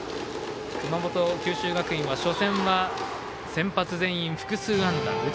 熊本、九州学院は初戦は先発全員複数安打。